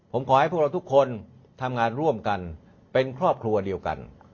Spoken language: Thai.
ผมขอให้พวกเราทุกคนทำงานร่วมกันเป็นครอบครัวเดียวกัน